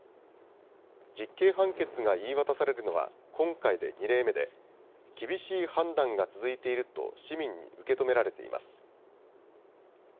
実刑判決が言い渡されるのは、今回で２例目で厳しい判断が続いていると市民に受け止められています。